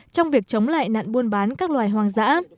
trong việc chống lại nạn buôn bán các loài hoang dã